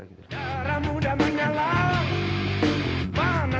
demi sejak di sisi institusi yang memkencangkan dalam rencananya